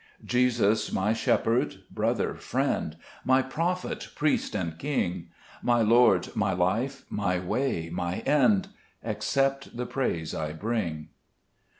5 Jesus, my Shepherd, Brother, Friend, My Prophet, Priest, and King, My Lord, my Life, my Way, my End, Accept the praise I bring.